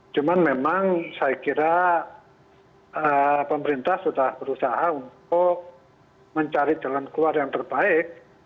cuma memang saya kira pemerintah sudah berusaha untuk mencari jalan keluar yang terbaik